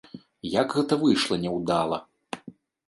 Як гэта выйшла няўдала!